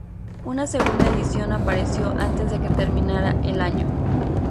Una segunda edición apareció antes de que terminara el año.